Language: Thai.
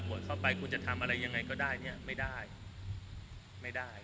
เมื่อบวชเข้าไปคุณจะทำอะไรยังไงก็ได้เนี่ยไม่ได้